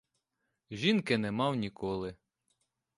Жінки не мав ніколи.